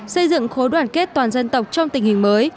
xây dựng khối đoàn kết toàn dân tộc trong tình hình mới